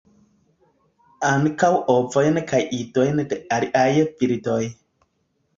Ankaŭ ovojn kaj idojn de aliaj birdoj.